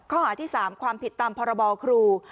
ข้อหาที่๓ความผิดตามพรบครู